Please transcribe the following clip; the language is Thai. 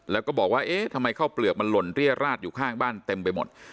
แล้วก็บอกว่าเอ๊ะทำไมข้าวเปลือกมันหล่นเรียราดอยู่ข้างบ้านเต็มไปหมด